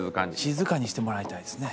静かにしてもらいたいですね。